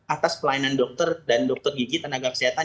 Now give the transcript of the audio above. atas pelayanan dokter dan dokter gigi tenaga kesehatan